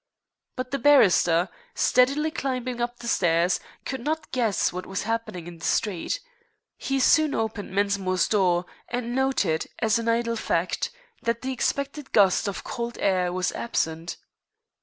But the barrister, steadily climbing up the stairs, could not guess what was happening in the street. He soon opened Mensmore's door, and noted, as an idle fact, that the expected gust of cold air was absent.